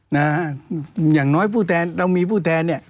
อย่างน้อยผู้แทนเรามีผู้แทนเนี่ย